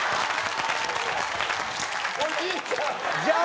おじいちゃん！